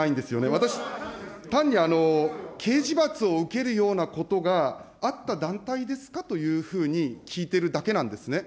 私、単に刑事罰を受けるようなことがあった団体ですかというふうに聞いているだけなんですね。